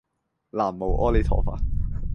喃嘸阿彌陀佛